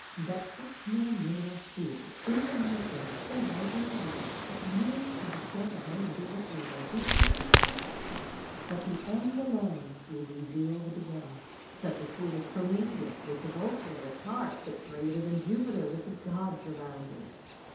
That such men and women are fools, is and has been so widely believed, that, to men of the stamp of my indignant reader, it has become a fact! But the end alone will reveal the beginning. Such a fool was Prometheus, with the vulture at his heart but greater than Jupiter with his gods around him.